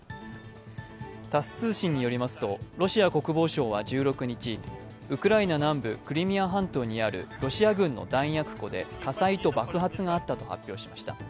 タス通信によりますとロシア国防省は１６日、ウクライナ南部クリミア半島にあるロシア軍の弾薬庫で火災と爆発があったと発表しました。